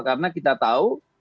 karena kita tahu